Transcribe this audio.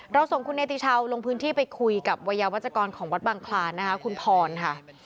ส่งคุณเนติชาวลงพื้นที่ไปคุยกับวัยวัชกรของวัดบังคลานนะคะคุณพรค่ะ